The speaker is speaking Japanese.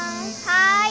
はい。